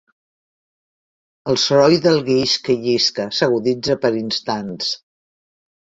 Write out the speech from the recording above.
El soroll del guix que llisca s'aguditza per instants.